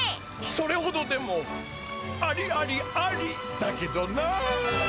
それほどでもありありありだけどな。